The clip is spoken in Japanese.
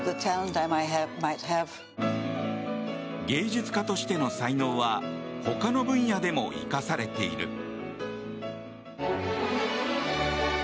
芸術家としての才能は他の分野でも生かされている。